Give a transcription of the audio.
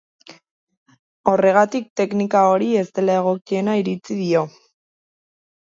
Horregatik, teknika hori ez dela egokiena iritzi dio.